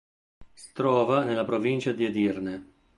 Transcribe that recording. Si trova nella provincia di Edirne.